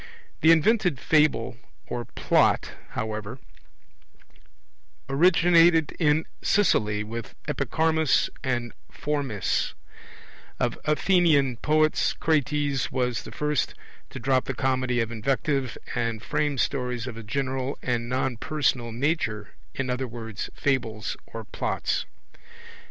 The invented Fable, or Plot, however, originated in Sicily, with Epicharmus and Phormis; of Athenian poets Crates was the first to drop the Comedy of invective and frame stories of a general and non personal nature, in other words, Fables or Plots.